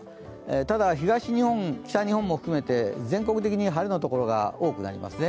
ただ東日本、西日本も含めて全国的に晴れのところも多くなりますね。